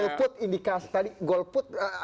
golput indikasi tadi golput ini